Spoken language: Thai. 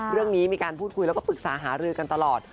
เรื่องนี้มีการพูดคุยแล้วก็ปรึกษาหารือกันตลอด